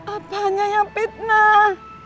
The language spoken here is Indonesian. apanya yang fitnah